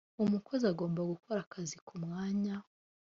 umukozi agomba gukora akazi ku mwanya